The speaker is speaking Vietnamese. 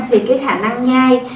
thì cái khả năng nhai